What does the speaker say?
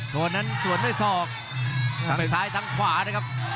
โดนนั้นสวนด้วยศอกทั้งซ้ายทั้งขวานะครับ